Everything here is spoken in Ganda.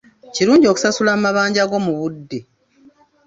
Kirungi okusasula amabanja go mu budde.